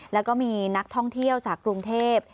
แล้วก็มีนักท่องเที่ยวจากกรุงเทพ